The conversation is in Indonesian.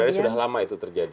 sebenarnya sudah lama itu terjadi